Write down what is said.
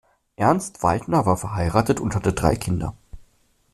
Ernst Weidner war verheiratet und hatte drei Kinder.